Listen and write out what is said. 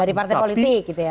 dari partai politik gitu ya